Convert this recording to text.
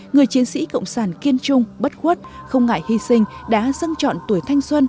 người chiến sĩ cộng sản kiên trung bất khuất không ngại hy sinh đã dâng chọn tuổi thanh xuân